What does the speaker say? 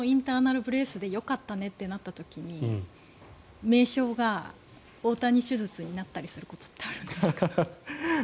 このインターナル・ブレースでよかったねとなった時に名称が大谷手術になったりすることはありますか？